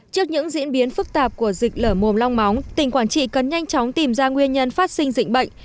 trước những diễn biến phức tạp của dịch lở mồm long móng tỉnh quảng trị cần nhanh chóng tìm ra nguyên nhân phát sinh dịch bệnh